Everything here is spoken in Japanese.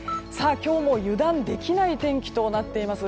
今日も油断できない天気となっています。